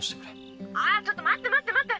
ああっちょっと待って待って待って。